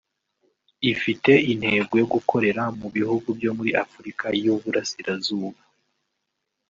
ifite intego yo gukorera mu bihugu byo muri Afurika y’Uburasirazuba